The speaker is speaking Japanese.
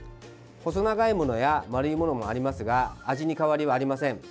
細長いものや丸いものもありますが味に変わりはありません。